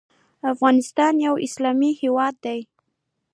افغانستان یو اسلامي هیواد دی.